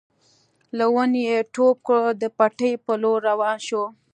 له ونې يې ټوپ کړ د پټي په لور روان شو.